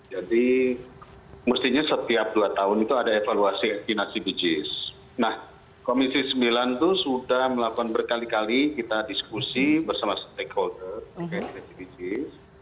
jadi mestinya setiap dua tahun itu ada evaluasi klinasi bpjs nah komisi sembilan itu sudah melakukan berkali kali kita diskusi bersama stakeholder klinasi bpjs